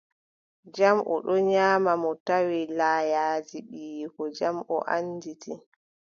Jam, o ɗon nyaama, mo tawi layaaji ɓiyiiko, jam mo annditi.